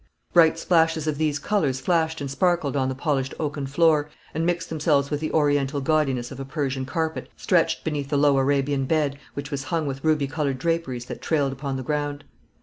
Bright splashes of these colours flashed and sparkled on the polished oaken floor, and mixed themselves with the Oriental gaudiness of a Persian carpet, stretched beneath the low Arabian bed, which was hung with ruby coloured draperies that trailed upon the ground.